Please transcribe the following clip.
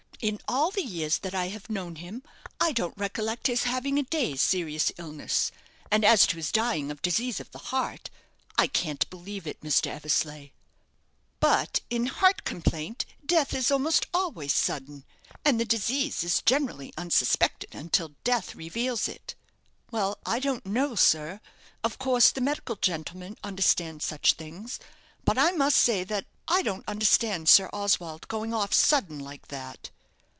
In all the years that I have known him, I don't recollect his having a day's serious illness. And as to his dying of disease of the heart, I can't believe it, Mr. Eversleigh." "But in heart complaint death is almost always sudden, and the disease is generally unsuspected until death reveals it." "Well, I don't know, sir. Of course the medical gentlemen understand such things; but I must say that I don't understand Sir Oswald going off sudden like that."